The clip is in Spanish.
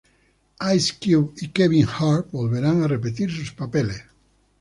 Ice Cube y Kevin Hart volverán a repetir sus papeles.